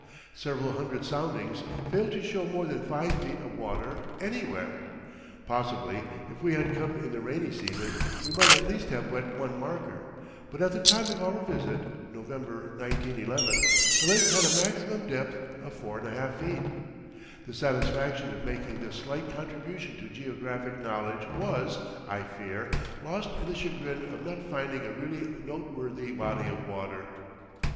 Several hundred soundings failed to show more than five feet of water anywhere. Possibly if we had come in the rainy season we might at least have wet one marker, but at the time of our visit (November, 1911), the lake had a maximum depth of 4 1/2 feet. The satisfaction of making this slight contribution to geographic knowledge was, I fear, lost in the chagrin of not finding a really noteworthy body of water.